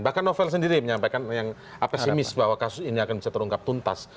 bahkan novel sendiri menyampaikan yang pesimis bahwa kasus ini akan bisa terungkap tuntas